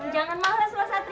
jangan males loh satria